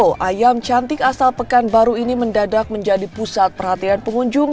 jako ayam cantik asal pekan baru ini mendadak menjadi pusat perhatian pengunjung